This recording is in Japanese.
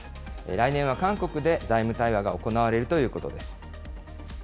来年は韓国で財務対話が行われるということです。